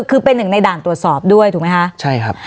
คือเป็นหนึ่งในด่านตรวจสอบด้วยถูกไหมคะใช่ครับ